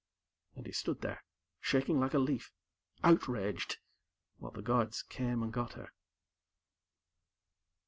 And he stood there, shaking like a leaf, outraged, while the guards came and got her.